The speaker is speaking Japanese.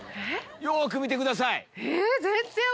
よく見てください。